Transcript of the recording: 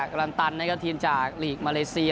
กรรมตันทีมจากลีกมาเลเซีย